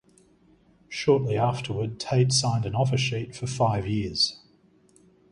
Shortly afterward Tait signed an offer sheet for five years.